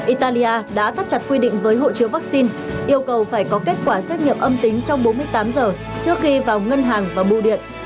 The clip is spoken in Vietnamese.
italia đã thắt chặt quy định với hộ chiếu vaccine yêu cầu phải có kết quả xét nghiệm âm tính trong bốn mươi tám giờ trước khi vào ngân hàng và bưu điện